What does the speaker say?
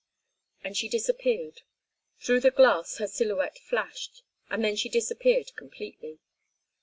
And she disappeared. Through the glass her silhouette flashed—and then she disappeared completely.